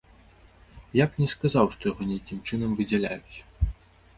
Я б не сказаў, што яго нейкім чынам выдзяляюць.